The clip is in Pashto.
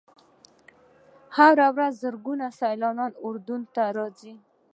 هره ورځ زرګونه سیلانیان اردن ته راځي.